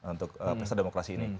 untuk pesta demokrasi ini